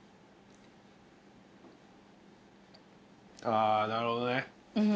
あなるほどね。